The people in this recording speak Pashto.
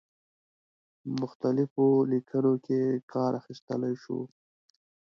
په مختلفو لیکنو کې کار اخیستلای شو.